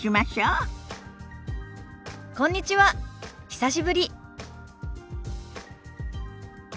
久しぶり。